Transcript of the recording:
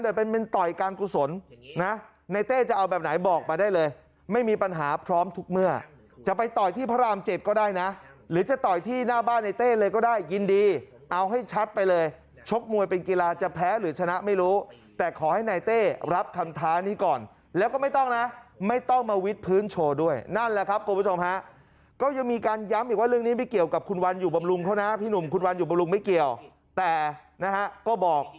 โดยเป็นเป็นต่อยการกุศลนะในเต้จะเอาแบบไหนบอกมาได้เลยไม่มีปัญหาพร้อมทุกเมื่อจะไปต่อยที่พระรามเจ็บก็ได้นะหรือจะต่อยที่หน้าบ้านในเต้เลยก็ได้ยินดีเอาให้ชัดไปเลยชกมวยเป็นกีฬาจะแพ้หรือชนะไม่รู้แต่ขอให้ในเต้รับคำท้านี้ก่อนแล้วก็ไม่ต้องนะไม่ต้องมาวิทย์พื้นโชว์ด้วยนั่นแหละครับคุณผู้ชมฮะก็